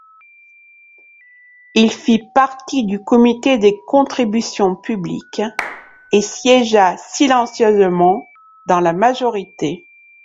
Il fit partie du comité des contributions publiques, et siégea silencieusement dans la majorité.